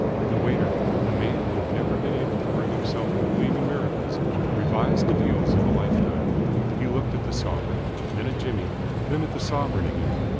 The waiter, a man who had never been able to bring himself to believe in miracles, revised the views of a life time. He looked at the sovereign, then at Jimmy, then at the sovereign again.